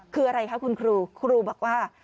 คืออะไรคะคุณครูครูบอกว่า